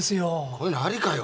こういうのありかよ？